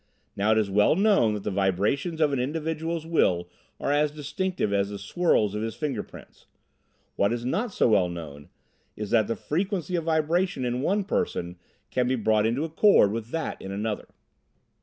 "Now, it is well known that the vibrations of an individual's will are as distinctive as the sworls of his finger prints. What is not so well known is that the frequency of vibration in one person can be brought into accord with that in another.